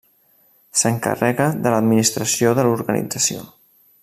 S'encarrega de l'administració de l'organització.